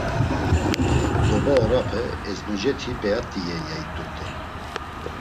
Doba orape, ezmoceti p̌eat̆i iyen ya it̆urt̆ey.